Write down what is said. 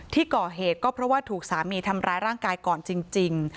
ที่ก่อเหตุก็เพราะว่าถูกสามีทำร้ายร่างกายก่อนจริง